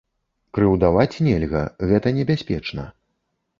Крыўдаваць нельга, гэта небяспечна.